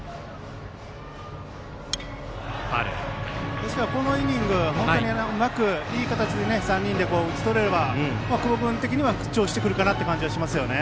ですから、このイニングいい形で３人で打ち取れれば久保君的には復調してくるかなという感じがしますね。